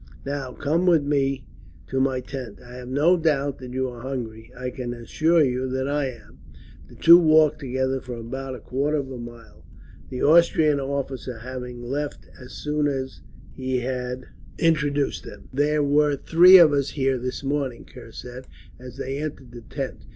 "Now come with me to my tent. I have no doubt that you are hungry; I can assure you that I am." The two walked together for about a quarter of a mile, the Austrian officer having left as soon as he had introduced them. "There were three of us here this morning," Kerr said, as they entered the tent.